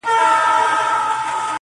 د تکراري حُسن چيرمني هر ساعت نوې يې